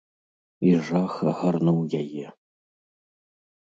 І жах агарнуў яе.